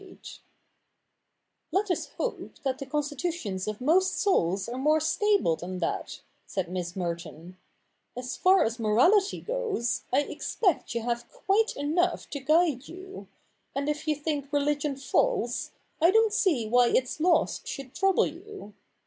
CH. iv] THE NEW REPUBLIC 57 ' Let us hope that the constitutions of most souls are more stable than that,' said ^liss Merton, ' As far as morality goes, I expect you have quite enough to guide you ; and if you think religion false, I don't see why its loss should trouble you.